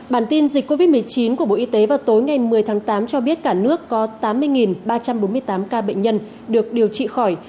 bản tin dịch covid một mươi chín của bộ y tế vào tối ngày một mươi tháng tám cho biết cả nước có tám mươi ba trăm bốn mươi tám ca bệnh nhân được điều trị khỏi